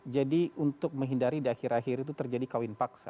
jadi untuk menghindari di akhir akhir itu terjadi kawin paksa